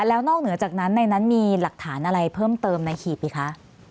แล้วนอกเหนือจากนั้นในนั้นมีหลักฐานอะไรเพิ่มเติมในหีบอีกคะ